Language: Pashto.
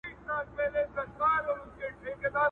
ځاله د زمرو سوه په نصیب د سورلنډیو.!